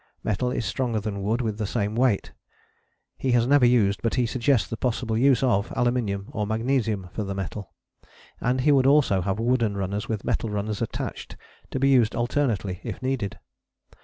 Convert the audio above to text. Metal is stronger than wood with same weight. He has never used, but he suggests the possible use of, aluminium or magnesium for the metal. And he would also have wooden runners with metal runners attached, to be used alternately, if needed.